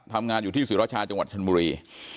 ทำงานอยู่ที่ศิรชาจังหวัดชนบุรี